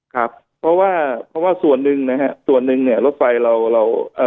ครับเพราะว่าเพราะว่าส่วนหนึ่งนะฮะส่วนหนึ่งเนี่ยรถไฟเราเราเอ่อ